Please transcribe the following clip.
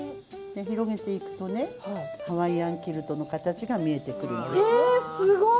広げていくとねハワイアンキルトの形が見えてくるでしょ。